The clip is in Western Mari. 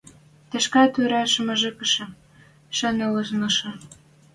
Тӹшкӓ туре шомыкыжы, шайылнышы: